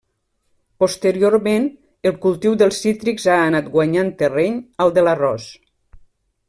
Posteriorment el cultiu dels cítrics ha anat guanyant terreny al de l'arròs.